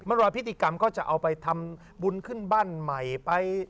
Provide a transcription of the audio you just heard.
มันว่าพิธีกรรมก็จะเอาไปทำบุญขึ้นบ้านใหม่ไป